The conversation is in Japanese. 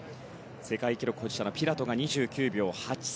世界記録保持者のピラトが２９秒８３。